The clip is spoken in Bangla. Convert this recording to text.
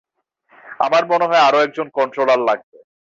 আমার মনে হয়, আরো একজন কন্ট্রোলার লাগবে।